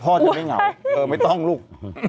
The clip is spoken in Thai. พ่อจะไม่เหงาเออไม่ต้องลูก